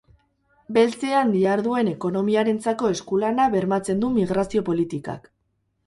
Beltzean diharduen ekonomiarentzako esku-lana bermatzen du migrazio politikak.